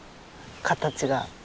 形が。